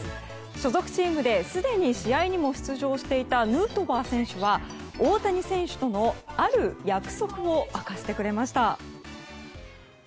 所属チームですでに試合にも出場していたヌートバー選手は大谷選手とのある約束を明かしてくれました。